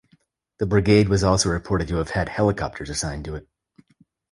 The brigade was also reported to have had helicopters assigned to it.